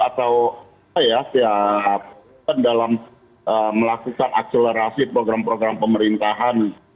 atau dalam melakukan akselerasi program program pemerintahan